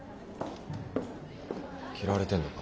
嫌われてんのか。